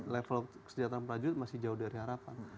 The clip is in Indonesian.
level kesejahteraan prajurit masih jauh dari harapan